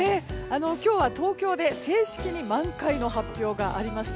今日は東京で正式に満開の発表がありました。